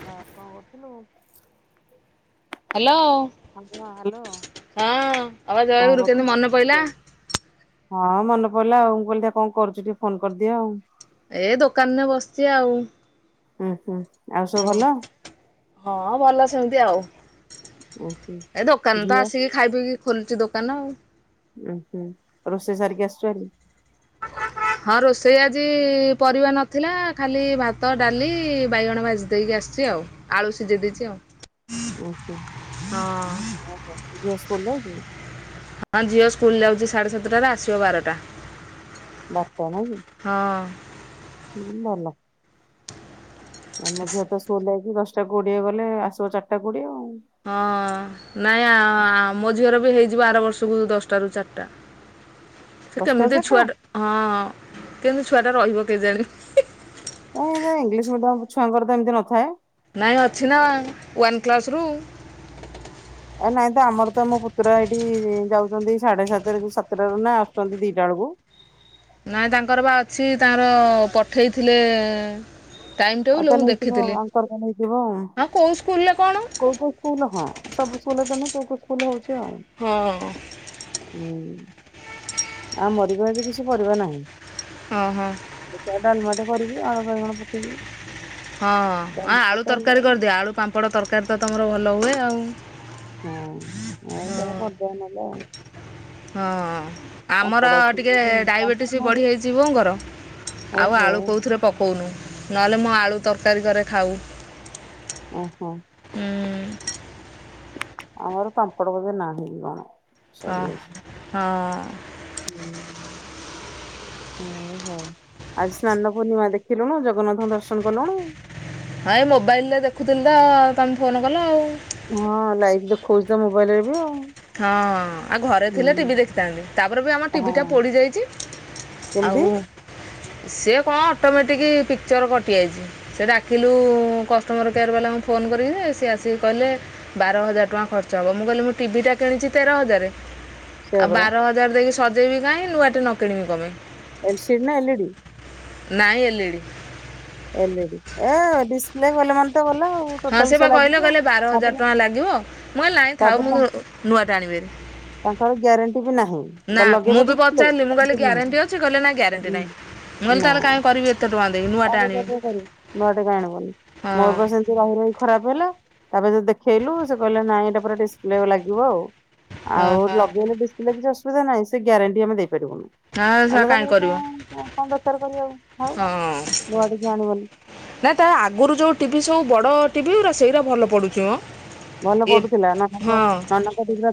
ହଁ କଣ କରୁଥିଲୁ? ହ୍ୟାଲୋ। ହଁ ହ୍ୟାଲୋ ହଁ ଆପା କଣ ଜୟଗୁରୁୁ କେମିତି ମନେ କରୁଥିଲୁ? ପଇଲା। ହଁ ମନେ ପଡି଼ଲା ଆଉ ମୁଁ କହିଲି କଣ କରୁଛି ଟିକେ ଫୋନ୍ କରିଦିଏ ଆଉ। ଏ ଦୋକାନରେ ବସିଛି ଆଉ। ହୁଁ ହୁଁ। ଆଉ ସବୁ ଭଲ? ହୁଁ ହଁ ଭଲ ସେମିତି ଆଉ। ଉଁ ହୁଁ ଏ ଦୋକାନ ତ ଝିଅ ଆସିକି ଖାଇ ପିଇକି ଖୋଲୁଛି ଦୋକାନ ଆଉ। ଉଁ ହୁଁ ରୋଷେଇ ସାରିକି ଆସଛୁ ହାରି। ହଁ ରୋଷେଇ ଆଜି ପରିବା ନଥିଲା ଖାଲି ଭାତ, ଡାଲି, ବାଇଗଣ ଭାଜି ଦେଇକି ଆସ ଚି ଆଉ ଆଳୁ ସିଜେଇ ଦେଇଚି ଆଉ। ଉଁହୁଁ ହଁ। [unintelligible] ଝିଅ ସ୍କୁଲ ଯାଇଚି? ହଁ ଝିଅ ସ୍କୁଲ ଯାଉଚି ସାଢ଼େ ସାତଟାରେ ଆସିବ ବାରଟା। ବାପୁଆ ନାହିଁ କି? ହଁ। ହୁଁ ଭଲ। ଉଁ ମୋ ଝିଅ ତ ସ୍କୁଲ ଯାଇଚି ଦଶଟା କୋଡିଏ ଗଲେ ଆସିବ ଚାରଟା କୋଡିଏ ଆଉ। ହଁ ନାଇଁ ଆ ଆ ମୋ ଝିଅର ବି ବି ହେଇଯିବ ଆର ବର୍ଷକୁ ଦଶଟାରୁ ଚାରିଟା। ସେ ଦଶଟାରୁ କେମିତି ଚାରିଟା ଛୁଆଟେ ହଁ କେମିତି ଛୁଆ ଟେ ରହିବ କେଜାଣି। କାଇଁ ଏତେ ଇଂଲିଶ ମିଡିୟମ ଛୁଆଙ୍କର ତ ଏମିତି ନ ଥାଏ। ନାଇଁ ଅଛି ନା ୱାନ୍ କ୍ଲାସ ରୁ। ଏ ନାଇଁ ତ ଆମର ତ ମୋ ପୁତ୍ର ଏଇଠି ଯାଉଚନ୍ତି ସାଢେ ସାତରେ ସାତଟାରୁ ନା ଆସୁଚନ୍ତି ଦିଇଟା ବେଳକୁ। ହ ନାଇଁ ତାଙ୍କର ପା ଅଛି ତାଙ୍କର ପଠେଇଥିଲେ ଟାଇମ୍ ଆଉ ଟେବୁଲ୍ ମୁଁ ତାହାନେ ହେଇଥିବ ଦେଖିଥିଲି ଅଙ୍କର ତାହାନେ ହେଇଥିବ ଆଉ। ହଁ କୋଉ ସ୍କୁଲରେ କଣ କୋଉ କୋଉ ସ୍କୁଲ ହଁ ସବୁ ସ୍କୁଲ ତ ନୁ କୋଉ କୋଉ ସ୍କୁଲରେ ହୋଉଚି ଆଉ ହଁ ହୁଁ। ଆମର ବି ଆଜି କିଛି ପରିବା ନାହିଁ। ଓହୋ। ଦେଖିବା ଡାଲମାଟେ କରିବି ଆଳୁ ବାଇଗଣ ପକେଇକି। ହଁ ଅ ଡାଲମାଟେ ଆଳୁ କରିବା ତରକାରୀ ଆଉ କରିଦିଅ ଆଳୁ ପାମ୍ପଡ଼ ତରକାରୀ ତ ତମର ଭଲ ହୁଏ ଆଉ। ହୁଁ ଆଉ କଣ କରିଦବା ନହଲେ ଆଉ। ହଁ ପାମ୍ପଡ ଆମର ଅଛି କି ଟିକେ ଏଠି? ଡାଇବେଟିସ୍ ପାମ୍ପଡ ବି ନାହିଁ ଯେ ବଢ଼ିଯାଇଚି ବୋଉଙ୍କର ଆଉ ଓହୋ ଆଳୁ କୋଉଥିରେ ପକୋଉନୁ ନହେଲେ ମୁଁ ଆଳୁ ତରକାରୀ କରେ ଖାଉ ଓହୋ ହୁଁ। ଆମର ପାମ୍ପଡ ବୋଧେ ନାହିଁ କି କଣ। ସରିଯାଇଛି ଓହୋ ହଁ। ହୁଁ। ହୁଁ ହୋଉ ଆଜି ସ୍ନାନପୂର୍ଣ୍ଣିମା ଦେଖିଲୁନା ଜଗନ୍ନାଥଙ୍କ ଦର୍ଶନ କଲୁଣୁ? [inaudible] ହଁ ଏ ମୋବାଇଲରେ ଦେଖୁଥିଲି ତ ତମେ ଫୋନ କଲ ଆଉ। ହଁ ଲାଇଭ୍ ଦେଖୋଉଚି ତ ମୋବାଇଲରେ ବି ଆଉ। ହଁ ଆଉ ଘରେ ଥିଲେ ହୁଁ ଟିଭି ଦେଖିଥାନ୍ତି ତାପରେ ବି ଆମ ଟିଭି ଟା ହଁ। ପୋଡି ଯାଇଚି। କେମିତି ଆଉ। ସିଏ କଣ ଅଟୋମେଟିକ୍ ପିକ୍ଚର୍ କଟିଯାଇଚି ସେ ଡାକିଲୁ କଷ୍ଟମର୍ କେୟାର୍ ବାଲାଙ୍କୁ ଫୋନ ଙ୍ଗ କରିକି ଯେ ସିଏ ଆସିକି କହିଲେ ବାର ହଜାର ଟଙ୍କା ଖର୍ଚ୍ଚ ହବ। ମୁଁ କହିଲି ମୁଁ ଟିଭି ଟା କିଣିଚି ତେର ହଜାର ସେୟା ଆଉ ପରା ବାର ହଜାର ଦେଇକି ସଜେଇବି କାଇଁ ନୂଆଟେ ନ କିଣିବି କଣ ପାଇଁ। ଏଲସିଡ୍ ନା ଏଲିଡି? ନାଇଁ ଏଲିଡି। ଏଲିଡି ଏ ଡିସପ୍ଲେ ଗଲେ ମାନେ ତ ଗ ହଁ ସେ ପା କହିଲ କହିଲେ ବାର ହଜାର ଟଙ୍କା ଲାଗିବ। ମୁଁ କହିଲି ନାଇଁ ଥାଉ ତାପରେ ମୁଁ ତା ନୂଆ ଟେ ଆଣିବି ହାରି। ତାଙ୍କର ଗ୍ୟାରେଣ୍ଟି ବି ନାହିଁ ବା ନା ଲଗେଇବ ମୁଁ ବି ଡିସପ୍ଲେ ପଚାରିଲି ମୁଁ କହିଲି ନାହିଁ ଗ୍ୟାରେଣ୍ଟି ଅଛି। କହିଲେ ନା ଗ୍ୟାରେଣ୍ଟି ନାହିଁ। ହୁଁ, ମୁଁ କହିଲି ନା ତାହାଲେ କାଇଁ କରିବି ଏତେ ଟଙ୍କା ଦେଇକି [unintelligible] ନୂଆଟା ଆଣିବି କରିବୁ ନୂଆ ଟେ କାଇଁ ଆଣିବୁନି। ମୋର ହଁ ପା ସେମିତି ରହି ରହି ଖରାପ ହେଲା ତାପରେ ଯଦି ଦେଖେଇଲୁ ସେ କହିଲେ ନାଇଁ ଏଟା ପୁରା ଡିସପ୍ଲେ ଲାଗିବ ଆଉ। ଆଉ ଓହୋ। ଲଗେଇଲେ ବେସିଥିଲେ କିଛି ଅସୁବିଧା ନାହିଁ। ସେ ଗ୍ୟାରେଣ୍ଟି ଆମେ ଦେ ପାରିବୁନୁ ହଁ ସେ ଆମେ କାହିଁ ତାହାଲେ କରିବ [unintelligible] କଣ ଦରକାର କରିବ ଆଉ ଥାଉ। [inaudible] ନୂଆଟେ କିଣ ଆଣିବନି। ନାଇଁ ତା ଆଗରୁ ଯୋଉ ଟିଭି ସବୁ ବଡ ଟିଭି ଉରା ସେଇରା ଭଲ ପଡୁଚି ମ। ଭଲ ଏ ପଡୁଥିଲା ଏନା ତାଙ୍କ [unintelligible] ହଁ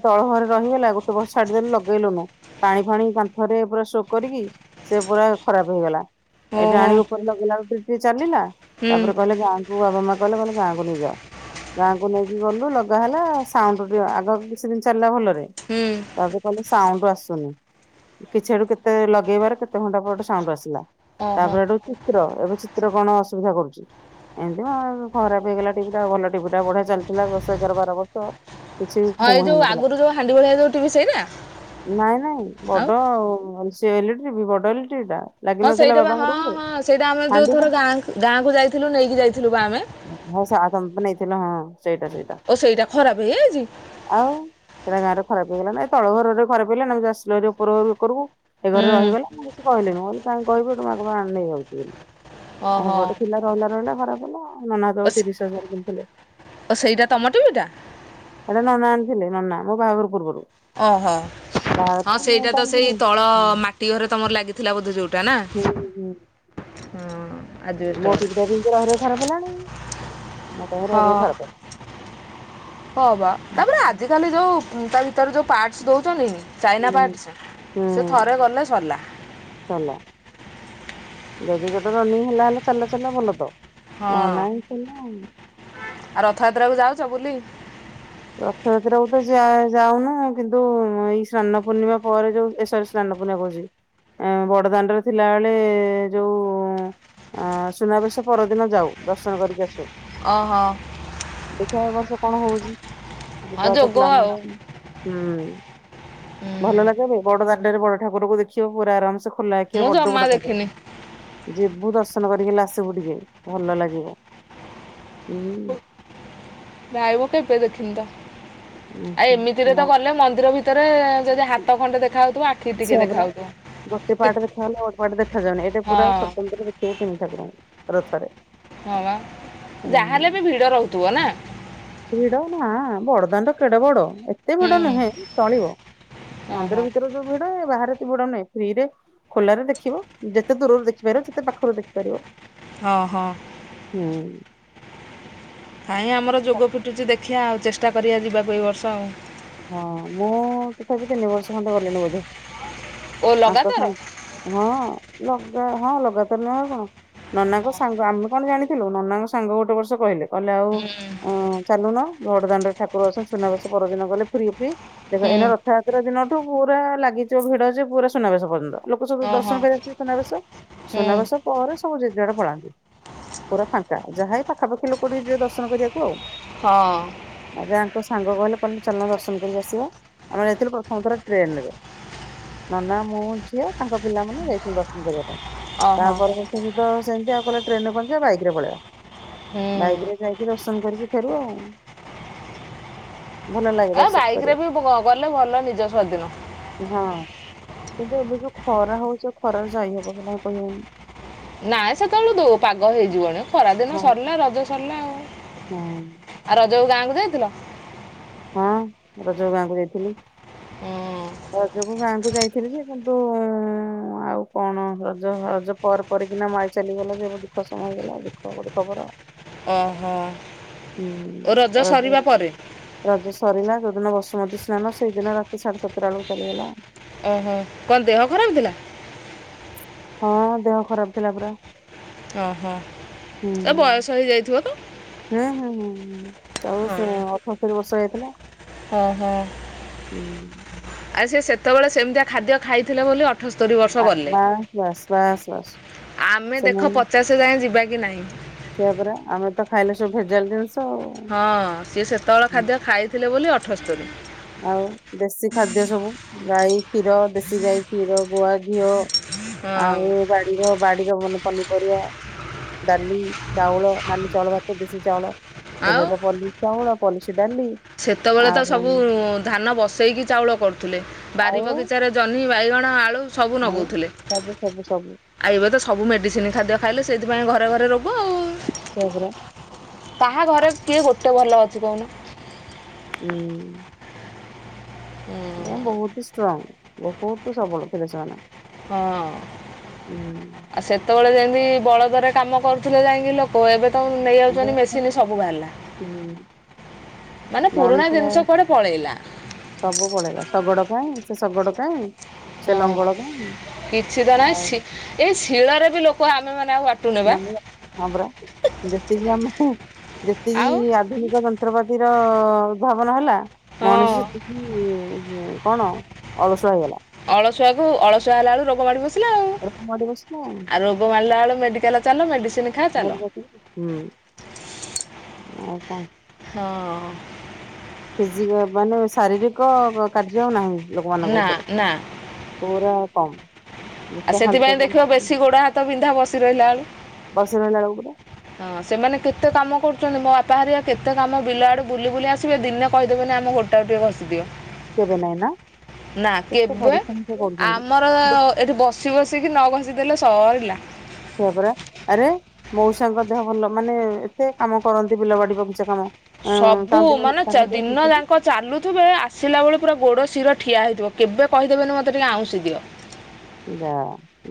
ତଳ ଘରେ ରହିଗଲା ଗୋଟେ ବର୍ଷ ଛାଡିଦେଲେ ଲଗେଇଲୁନା ପାଣି ଫାଣି କାନ୍ଥରେ ପୁରା ଶୋ କରିକି ସେ ପୁରା ଖରାପ ହେଇଗଲା ଏଠି ଓହୋ ଆଣିବି ଉପରେ ଲଗେଇଲା ବେଳକୁ ଟିକେ ଚାଲିଲା ହୁଁ ତାପରେ କହିଲେ ଗାଁକୁ ବାବା ମା କଲେ ଗଲେ ଗାଁକୁ ନେଇଯାଅ ଗାଁକୁ ନେଇ ଗଲୁ ଲଗା ହେଲା ସାଉଣ୍ଡ ଟିକେ ଆଗ କିଛି ଦିନ ଚାଲିଲା ଭଲ ହୁଁ। ତାପରେ କହିଲେ ସାଉଣ୍ଡ ଆସୁନି। କିଛିଆଡୁ କେତେ ଲଗେଇବାର କେତେ ଘଣ୍ଟା ପରେ ସାଉଣ୍ଡ ଆସିଲା। ଓହୋ ତାପରେ ହେଠୁ ଚିତ୍ର ଏବେ ଚିତ୍ର ରେ କଣ ଅସୁବିଧା କରୁଛି ଏମତି ଖରାପ ହେଇଗଲା ଟିଭି ଟା ଭଲ ଟିଭି ଟା ବଢିଆ ଚାଲି ଥିଲା ଦଶ ଏଗାର ବାର ବର୍ଷ। ହଁ ଫୁଁ ଏଇ ଯୋଉ ହେଇନଥିଲା ଆଗରୁ ଯୋଉ ହାଣ୍ଡି ଭଳିଆ ଯୋଉ ସେଇଟା। ନାଇଁ ନାଇଁ ବଡ ସେ ଇଲେକ୍ଟ୍ରି ବି ବଡ ଇଲେକ୍ଟ୍ରି ଟା। ହଁ ଲାଗିନଥିଲା ସେଇଟା ବା ବାବାଙ୍କ ହଁ ରୁମ ରେ ହଁ ସେଇଟା ଆମେ ଯୋଉ ହାଣ୍ଡି ଥର ଗାଁ ଗାଁକୁ ଯାଇଥିଲୁ ନେଇକି ଯାଇଥିଲୁ ବା ଆମେ। ହଁ ସେ ଆଉ ଗୋଟେ କଣ ନେଇଥିଲା ହଁ ସେଇଟା ସେଇଟା। ଓ ଖରାପ ହେଇଯାଇଛି ଆଉ ସେଟା ଗାଁ ରେ ଖରାପ ହେଲା ନାଇଁ ତଳ ଘରେ ଖରାପ ହେ ନାଇ ଚା ଆସିଲା ଉପର ଏ କରିବୁ। ଏ ଘରେ ହୁଁ ରହିଗଲା ମୁଁ କିଛି କହିଲି ନି ଆଉ କଣ କହିବି ଏଟୁ ମା କ ପା ନେଇଯାଉଛି ବୋଲି। ଆ ଓହୋ। ବଡ ଥିଲା ରହିଲା ରହିଲା ଖରାପ ଭଲ ଆଉ। ନନା ଓ ତାକୁ ସେ ତିରିଶ ହଜାରରେ କିଣିଥିଲେ। ଓ ସେଇଟା ତମ ଟିଭିଟା? ଏଟା ନନା ଆଣିଥିଲେ ନନା ମୋ ବାହାଘର ପୂର୍ବରୁ। ଓହୋ। ବାହାଘର ହଁ ପରେ ମୁଁ ସେଇଟା ତ ଆଣିଥିଲି। ସେଇ ତଳ ମାଟି ଘରେ ତମର ଲାଗିଥିଲା ବୋଧେ ଯୋଉଟା ନା? ହୁଁ ହୁଁ। ହଁ ଆଜବେଷ୍ଟ ଘରେ। ମୋଟି ପଟାକ ରହରେ ଖରାପଲାଣି। ହଁ ହଁ ବା ତାପରେ ଆଜିକାଲି ଯୋଉ ତା ଭିତରେ ଯେଉଁ ପାର୍ଟସ୍ ଦେଉଛନ୍ତି। ଚାଇନା ହୁଁ ପାର୍ଟସ୍ ସେ ହୁଁ ଥରେ ଗଲେ ସରିଲା। ଚାଲ ଯଦି ଯୋଟ ରନିଂ ହେଲା ହେଲେ ଚାଲିଲା ଚାଲିଲା ଭଲ ତ। ହଁ ନହେଲେ ନାଇଁ ଚାଲିଲା ଆଉ। ଆ ରଥଯାତ୍ରା କୁ ଯାଉଛ ବୁଲି? ରଥଯାତ୍ରୀକୁ ତ ଯାଉ ଯାଉନ କିନ୍ତୁ ଏଇ ସ୍ନାନ ପୂର୍ଣ୍ଣିମା ପରେ ଯୋଉ ସ୍ନାନ କହୁଛି ବଡଦାଣ୍ଡରେ ଥିଲାବେଳେ ଯୋଉ ଅ ସୁନାବେଶ ପରଦିନ ଯାଉ ଦର୍ଶନ କରିକି ଆସୁ। ଓହୋ ଦେଖିବା ଏ ବର୍ଷ କଣ ହଉଚି? ହଁ ଯିବାକୁ ତ ଯୋଗ ପ୍ଲାନ୍ ଆଉ। ଅଛି ହୁଁ ଭଲ ଲାଗେ ବ ବଡ ଠାରକୁ ଦେଖିବ ପୁରା ଆରାମ ସେ ଖୋଲା ଆଖିର ମୁଁ ବଡ ଜମା ବଡ ଠାକୁର ଦେଖିନି ଯିବୁ ଦର୍ଶନ କରିକଲେ ଆସିବୁ ଟିକେ ଭଲ ଲାଗିବ। ହୁଁ। ନବ କେ ପେ ଦେଖିତ ଆଉ ଏମିତିରେ ନା ତ ଗଲେ ମନ୍ଦିର ଭିତରେ ହାତ ଖଣ୍ଡେ ଦେଖା ହଉଥିବ ଆଖି ଟିକେ ସେଇଆ ଦେଖା ପରା ହଉଥିବ। ଗୋଟେ ପାଟ ଦେଖାଗଲେ ଗୋଟେ ପାଟ ଦେଖାଯାଉନି ଏଇଟା ପୁରା ହଁ ସ୍ଵତନ୍ତ୍ର ଦେଖିବ ତିନି ଠାକୁରଙ୍କୁ ରଥରେ। ହଁ ହୁଁ। ଯାହାହେଲେ ବି ଭିଡ ରହୁଥିବ ନା। ଭିଡ ନା ବଡଦାନ ତ କେଡ ବଡ। ଏତେ ଭିଡ ହୁଁ। ନୁହେଁ ଚଳିବ ଓହୋ। ମନ୍ଦିର ଭିତରେ ଯୋଉ ଭିଡ ବାହାରେ ଏତେ ବୁଡା ନଁ ଫ୍ରି ରେ ଖୋଲାରେ ଦେଖିବ ଯେତେ ଦୂରରୁ ଦେଖିପାରିବ ସେତେ ପାଖରୁ ଦେଖିପାରିବ। ହଁ ହଁ। ହୁଁ। ହାଇଁ ଆମର ଯୋଗ ଫିଟୁଛି ଦେଖିବା ଆଉ ଚେଷ୍ଟା କରିବା ଯିବାକୁ ଏଇ ବର୍ଷ ଆଉ। ହଁ ମୁଁ ତଥାପି ତିନି ବର୍ଷ ଖଣ୍ଡେ ଗଲିଣି ବୋଧେ। ଓ ଆପେ ଲଗାତାର? ସା ହଁ ଲଗା ହଁ ଲଗାତର ନୁହେଁ ଆଉ କଣ। ନନାଙ୍କ ସାଙ୍ଗ ଆମେ କଣ ଜାଣିଥିଲୁ ନନାଙ୍କ ସାଙ୍ଗ ଗୋଟେ ବର୍ଷ କହିଲେ। ଗଲେ ଆଉ ହୁଁ। ଅ ଚାଲୁନ ବଡ଼ଦାଣ୍ଡ ରେ ଠାକୁର ଅଛନ୍ତି ସୁନାବେସ ପରଦିନ ଗଲେ ପୁରୀ ଦେଖି ଦେଖ ହୁଁ ଏଇନା ରଥଯାତ୍ରା ଦିନଠୁ ପୁରା ଲାଗିଯିବ ଭିଡ ସେ ପୁରା ସୁନାବେଶ ପର୍ଯ୍ୟନ୍ତ। ଲୋକ ସବୁ ଦର୍ଶନ ଓହୋ କରି ଆସିବେ ସୁନାବେଶ, ହୁଁ ସୁନାବେଶ ପରେ ସବୁ ଯିଏ ଯୁଆଡେ ପଳାନ୍ତି, ପୁରା ଫାଙ୍କା ଯାହା ଏଇ ପାଖାପାଖି ଲୋକ ଟିକେ ଯିବେ ଦର୍ଶନ କରିବାକୁ ଆଉ। ହଁ ମତେ ଆଙ୍କ ସାଙ୍ଗ କହିଲେ ଚାଲୁନା ଦର୍ଶନ କରିକି ଆସିବା, ଆମେ ଯାଇଥିଲୁ ପ୍ରଥମ ଥର ଟ୍ରେନରେ। ନା ନା ମୁଁ ଝିଅ, ତାଙ୍କ ପିଲାମାନେ ଯାଇଥିଲୁ ଦର୍ଶନ କରିବା ପାଇଁ। ତା ଓହୋ। ପର ବର୍ଷକୁ ତ ସେମିତି ଆଉ କହିଲେ ଟ୍ରେନରେ କଣ ଯିବା, ବାଇକରେ ପଳେଇବା। ହୁଁ ବାଇକରେ ଯାଇକି ରୋସନ କରିକି ଫେରୁ ଆଉ। ଭଲ ଲାଗେ ଆ ଦର୍ଶନ ବାଇକରେ କରିବାକୁ ବି ଗଲେ ଭଲ ନିଜ ସ୍ୱାଧୀନ। କିନ୍ତୁ ଏବେ ଯୋଉ ଖରା ହଉଛି, ଆଉ ଖରାରେ ଯାଇ ହବ କି ନାହିଁ କହିହଉନି। ନାଇଁ ସେତେବେଳେ ଦଉ ପାଗ ହେଇଯିବଣି ଖରାଦିନ ହଁ ସରିଲା ରଜ ସରିଲା ଆଉ। ହଁ। ଯୋଉ ଗାଁକୁ ଯାଇଥିଲ? ହଁ ରଜକୁ ଗାଁକୁ ଯାଇଥିଲି। ରଜକୁ ଗାଁକୁ ଯାଇଥିଲି ଯେ, କିନ୍ତୁ ଆଉ କଣ ରଜ ରଜ ପରେ ପରେ କିନା ମୋ ଆଇ ଚାଲିଗଲା ଯେ ବହୁତ୍ ଦୁଃଖ ସମୟ ହେଇଗଲା ଦୁଃଖ ଗୋଟେ ଖବର ଆଉ। ଓ ହୋ। ହୁଁ ରଜ ରଜ ସରିଲା ଯୋଉଦିିନ, ବସୁମତୀ ନା ନା ସେଇଦିନ ରାତି ସାଢେ ସାତଟା ବେଳକୁ ଚାଲିଗଲା ଆଉ। ଓ ହୋ କଣ ଦେହ ଖରାପ ଥିଲା? ହଁ ଦେହ ଖରାପ ଥିଲା ପୁରା। ଓ ହୋ ଏ ହୁଁ। ବୟସ ହେଇଯାଇଥିବ ତ? ଚଉସ ଅଠସ୍ତରୀ ବର୍ଷ ହେଇଥିଲା। ହଁ - ହଁ। ହୁଁ। ଆଉ ସେଏ ସେତେବେଳେ ସେମିତିଆ ଖାଦ୍ୟ ଖାଇଥିଲେ ବୋଲି ଅ ଅଠସ୍ତରୀ ବର୍ଷ ଆ ଗଲେ, ବାସ୍ ବାସ୍ ବାସ୍ ବାସ୍। ଆମେ ଦେଖ ପଚାଶ ଯାଏ ଯିବା କି ନାହିଁ? ସେଇଆ ପରା, ଆମେ ତ ଖାଇଲେ ସବୁ ଭେଜାଲ ଜିନିଷ ଆଉ। ହଁ ସିଏ ସେତେବେଳେ ହୁଁ, ଖାଦ୍ୟ ଖାଇଥିଲେ ବୋଲି ଅଠସ୍ତରୀ ଆଉ ଦେଶୀ ଖାଦ୍ୟ ସବୁ ଗାଈ କ୍ଷୀର, ଦେଶୀ ଗାଈ କ୍ଷୀର, ଗୁଆ ଘିଅ ହଁ ଆଉ ବାଡିର, ବାଡିର ଭଲ ପନିପରିବା, ଡାଲି, ଚାଉଳ, ନାଲି ଚାଉଳ ଭାତ, ଦେଶୀ ଚାଉଳ ଆଉ ଏବେ ତ ପଲିସି ଚାଉଳ, ପଲିସି ଡାଲି ସେତେବେଳେ ତ ଆଉ। ସବୁ ଧାନ ବସେଇକି ଚାଉଳ କରୁଥିଲେ। ବାରି ଆଉ ବଗିଚାରେ ଜହ୍ନି, ବାଇଗଣ, ଆଳୁ ସବୁ ଆଉ ଲଗଉଥିଲେ ସବୁ ସବୁ ସବୁ ।ଆଉ ଏବେ ତ ସବୁ ମେଡ଼ିସିନ ଖାଦ୍ୟ ଖାଇଲେ। ସେଇଥିପାଇଁ ଘରେ ଘରେ ରୋଗ ଆଉ। ସେଇଆ ପରା। କେତେ ଭଲ ଅଛି କହୁନ? ହୁଁ ନା ବହୁତ ଷ୍ଟ୍ରଙ୍ଗ। ବହୁତ ସବଳ ଥିଲେ ସେମାନେ। ହଁ ହୁଁ ଆଉ ସେତେବେଳେ ଯେମି [unintelligible] ବଳଦରେ କାମ କରୁଥିଲେ ଯାଇକି ଲୋକ, ଏବେ ତ ଏବେ ନେଇଯାଉଛନ୍ତି, ମେସିନ୍ ସବୁ ବାହାରିଲା। ହୁଁ ମାନେ ପୁରୁଣା ମଣିଷ ଜିନିଷ କୁଆଡେ ପଳେଇଲା। ସବୁ ପଳେଇଲା, ଶଗଡ କାଇଁ? ସେ ଶଗଡ଼ କାଇଁ? ସେ ହଁ ଲଙ୍ଗଳ କାଇଁ କିଛି ତ ନାହିଁ ଆଉ ଶି ଏଇ ଶିଳରେ ବି ଲୋକ ଆମେ ମାନେ ଆଉ ବାଟୁନେ [unintelligible] ବା। ହଁ ପରା। ଯେତିକି ଆମେ ଯେତିକି ଆଉ ଆଧୁନିକ ଯନ୍ତ୍ରପାତିର ଉଦ୍ଭାବନ ହେଲା। ହଁ ମଣିଷ ସେତିକି କଣ ଅଳସୁଆ ହେଇଗଲା। ଅଳସୁଆକୁ ଅଳସୁଆ ହେଲାବେଳୁ, ରୋଗ ମାଡ଼ି ବସିଲା ଆଉ। ମଡି ବସିଲା ଆଉ ରୋଗ ମାରିଲା ବେଳୁ, ମେଡିକାଲ ଚାଲ ମେଡିସିନ ଖା ମାଡି ଚାଲ ବସିକି ହୁଁ ଆଉ କଣ? ହଁ ମାନେ ଶାରୀରିକ କାର୍ଯ୍ୟ ଆଉ ନାହିଁ ଲୋକମାନଙ୍କ ନା ଭିତରେ ନା ପୁରା କମ୍ ଆଉ ଯେତେ ହାଲକା ସେଥିପାଇଁ ଦେଖିବ କାମ କରି ବେଶୀ ଗୋଡ ହାତ ବିନ୍ଧା ବସି ରହିଲା ବେଳୁ ବସି ରହିଲା ବେଳକୁ ଗୋଟେ ହଁ, ସେମାନେ କେତେ କାମ କରୁ ମୋ ବାପାହେରିକା କେତେ କାମ ବିଲ ଆଡୁ ବୁଲି ବୁଲି ଆସିବେ, ଦିନେ କହିଦେବେନି ଆମ ଗୋଡ଼ ଟାକୁ ଟିକେ ଘସିଦିଅ । କେବେ ନାହିଁ ନା ନା କେତେ କେବେ? ପରିଶ୍ରମ ସେ କରୁଛନ୍ତି। ଆମର ଆଉ [unintelligible] ଏଠି ବସି ବସିକି ନ ଘସି ଦେଲେ ସଇଲା। ସେଆ ପରା, ଆରେ ମଉସାଙ୍କ ଦେହ ଭଲ ମାନେ ଏତେ କାମ କରନ୍ତି ବିଲ ବାଡି ବଗିଚା କାମ ହଁ ତା ସବୁ ଦେହ ମାନେ ତାଙ୍କ ଦେହ ଠିକ୍ ଦିନ ଅଛି ଯାକ ଚାଲୁଥିବେ ଆସିଲା ବେଳେ ପୁରା ଗୋଡ଼ ଶୀର ଠିଆ ହୋଇଥିବ କେବେ କହିଦେବେନି ମୋତେ ଟିକିଏ ଆଉଁସି ଦିଅ । ଯା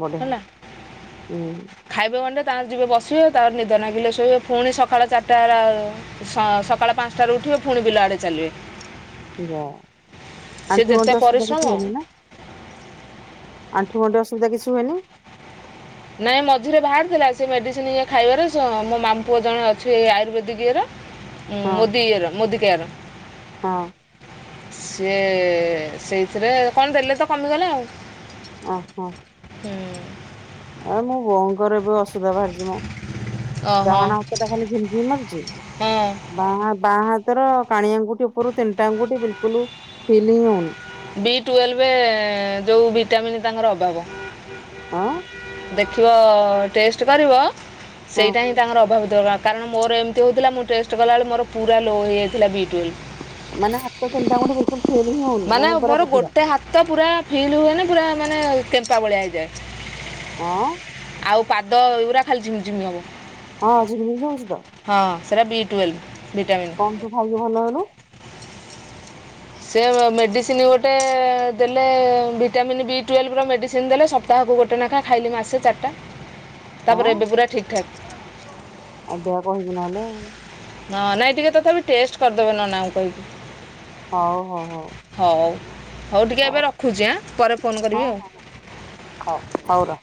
ବ [unintelligible] ଟେ ହୁଁ । ଖାଇବେ ଗଣ୍ଡେ ତାଙ୍କର ଯିବେ ବସିବେ, ତାପରେ ନିଦ ନାଗିଲେ ଶୋଇବେ, ପୁଣି ସକାଳ ଚାରିଟା ବେଳେ ସ ପାଞ୍ଚଟାରୁ ଉଠିବେ ପୁଣି ବିଲ ଆଡେ ଚାଲିବେ । ଯା ଆ ଆଣ୍ଠୁ ଗଣ୍ଠି ଅସୁବିଧା କିଛି ପରିଶ୍ରମ ହଉନିନା? ଆଣ୍ଠୁଗଣ୍ଠି ଅସୁବିଧା କିଛି ହୁଏନି? ନାଇଁ ମଝିରେ ବାହାରି ଥିଲା, ସେ ମେଡ଼ିସିନ ଇଏ ଖାଇବାରେ ମୋ ମାମୁଁ ପୁଅ ଜଣେ ଅଛି ଆୟୁର୍ବେଦିକ ଇଏର ହଁ ମୁଦିଇଏର ମୁଦିକେୟାର ହଁ ସିଏ ସେଇଥିରେ କଣ ଦେଲେ ତ କମିଗଲେ ଆଉ ଓହୋ, ହୁଁ। ଆ ମୋ ବୋଉଙ୍କର ଏବେ ଅସୁବିଧା ବାହାରିଛି ମ ଓହୋ ଡାହାଣ ହାତ ଟା ଖାଲି ଝିମଝିମ୍ ମାରୁୁଛି ହଁ ବାଁ ବାଁ ହା ର କାଣି ଆଙ୍ଗୁଠି ଉପରୁ ତିନିଟା ଆଙ୍ଗୁଠି ବିଲକୁଲ ଫିଲ୍ ହିଁ ହଉନି । ବି ଟୁଏଲଭ ଯେଉଁ ଭିଟାମିନ୍ ତାଙ୍କର ଅଭାବ। ହଁ ଦେଖିବ ଟେଷ୍ଟ କରିବ, ହଁ ସେଇଟା ହିଁ ତାଙ୍କର ଅଭାବ ଥିବ, କାରଣ- ମୋର ଏମିତି ହେଉଥିଲା, ମୁଁ ଟେଷ୍ଟ କଲାବେଳେ ମୋର ପୁରା ଲୋ ହୋଇ ଯାଇଥିଲା ବି ଟ୍ୱଏଲଭ୍ । ମାନେ ହାତ ତିନିଟା ଆଙ୍ଗୁଠି ବିଲକୁଲ ଫିଲ୍ ହିଁ ହଉନି ମାନେ ପୁରା ମୋର ବଧିରା ଗୋଟେ ହାତ ପୁରା ଫିଲ୍ ହୁଏନି ପୁରା ମାନେ କେମ୍ପା ଭଳିଆ ହେଇଯାଏ। ହଁ ଆଉ ପାଦ ଏଗୁରା ଖାଲି ଝିମି ଝିମି ହବ । ହଁ ଝିମ ଝିମ ହଉଚିତ। ସେରା ବିଟ୍ୱୱେଲ୍ଭ। କଣ ତୁ ଖାଇକି ଭଲ ହେଲୁ? ସେ ମେଡ଼ିସିନ ଗୋଟେ ଦେଲେ ଭିଟାମିନ୍ ବି ଟୁଏଲଭର ମେଡ଼ିସିନ ଦେଲେ ସପ୍ତାହ କୁ ଗୋଟେ ନାଖା ଖାଇଲି ମାସେ ଚାରିଟା, ତାପରେ ଏବେ ପୁରା ଠିକ୍ ଠାକ୍। ଆଗୁଆ କହିବୁ ନହେଲେ ଆଉ ହଁ ନାଇଁ ଟିକେ ତଥାପି ଟେଷ୍ଟ କରିଦେବେ, ନନା ଙ୍କୁ କହିକି ହଉ ହଉ ହଉ ହଉ ହଉ ଟିକେ ଏବେ ରଖୁଛି ଆଁ, ପରେ ଫୋନ୍ କରିବି ହଉ ଆଉ ହଁ ହଉ ହଉର ।